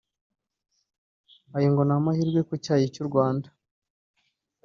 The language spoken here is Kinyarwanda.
Aya ngo ni amahirwe ku cyayi cy’u Rwanda